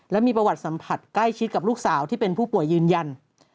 และมีประวัติสัมผัสใกล้ชิดกับลูกสาวที่เป็นผู้ป่วยยืนยัน